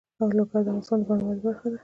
لوگر د افغانستان د بڼوالۍ برخه ده.